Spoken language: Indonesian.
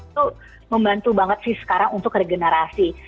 itu membantu banget sih sekarang untuk regenerasi